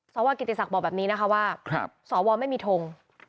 สวกิติศักดิ์บอกแบบนี้นะคะว่าสวไม่มีทง